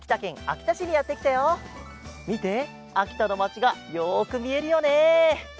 あきたのまちがよくみえるよね。